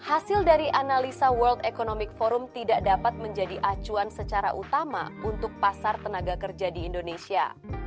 hasil dari analisa world economic forum tidak dapat menjadi acuan secara utama untuk pasar tenaga kerja di indonesia